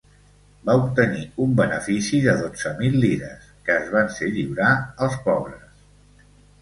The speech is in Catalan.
Va obtenir un benefici de dotze mil lires, que es van ser lliurar als pobres.